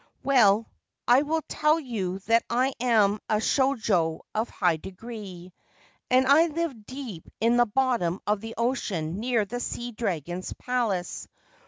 Well, I will tell you that I am a shojo of high degree, and I live deep in the bottom of the ocean near the Sea Dragon's Palace.